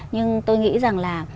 nhưng tôi nghĩ rằng là